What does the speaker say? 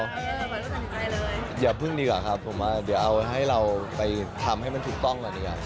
เหมือนอย่าพึ่งดีกว่าครับผมว่าเดี๋ยวเอาให้เราไปทำให้มันถูกต้องก่อนดีกว่า